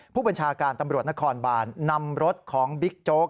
ผู้บัญชาการตำรวจนครบานนำรถของบิ๊กโจ๊ก